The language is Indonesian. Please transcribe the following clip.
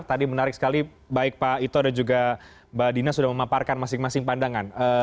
tadi menarik sekali baik pak ito dan juga mbak dina sudah memaparkan masing masing pandangan